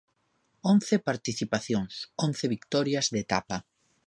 Once participacións, once vitorias de etapa.